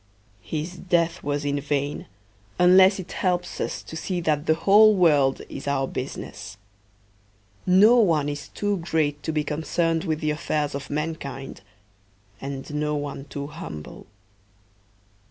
His death was in vain unless it helps us to see that the whole world is our business. No one is too great to be concerned with the affairs of mankind, and no one too humble.